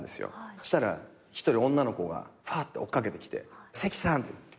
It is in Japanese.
そしたら一人女の子がふぁーって追っ掛けてきて「関さん」って。